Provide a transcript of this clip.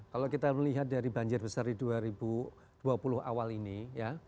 kalau kita melihat dari banjir besar di dua ribu dua puluh awal ini ya